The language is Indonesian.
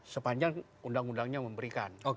sepanjang undang undangnya memberikan